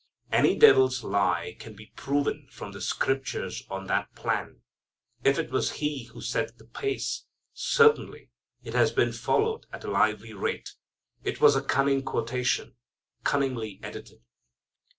Any devil's lie can be proven from the Scriptures on that plan. If it was he who set the pace, certainly it has been followed at a lively rate. It was a cunning quotation, cunningly edited.